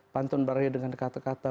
pantun barengnya dengan kata kata